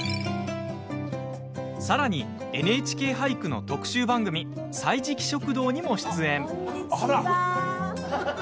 さらに「ＮＨＫ俳句」の特集番組「歳時記食堂」にも出演。